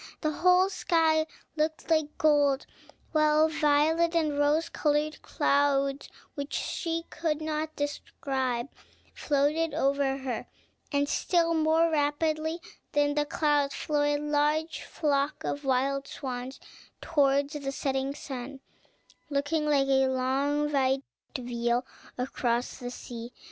The whole sky looked like gold, while violet and rose colored clouds, which she could not describe, floated over her; and, still more rapidly than the clouds, flew a large flock of wild swans towards the setting sun, looking like a long white veil across the sea.